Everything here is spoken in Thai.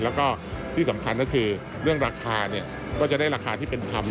แล้วก็ที่สำคัญก็คือเรื่องราคาก็จะได้ราคาที่เป็นธรรม